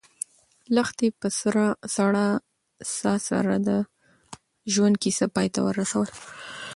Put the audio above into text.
لښتې په سړه ساه سره د ژوند کیسه پای ته ورسوله.